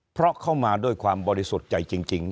เพราะเข้ามาด้วยความบริสุทธิ์ใจจริง